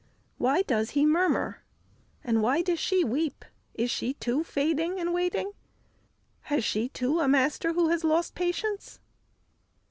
Why does he murmur? and, Why does she weep? Is she, too, fading and waiting? Has she, too, a master who has lost patience?"